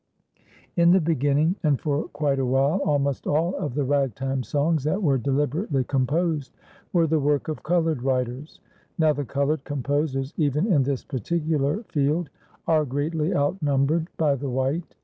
In the beginning, and for quite a while, almost all of the Ragtime songs that were deliberately composed were the work of colored writers. Now, the colored composers, even in this particular field, are greatly outnumbered by the white.